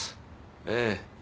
ええ。